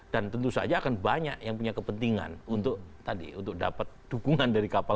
dan tentu saja akan banyak yang punya kepentingan untuk tadi untuk dapat dukungan dari kapal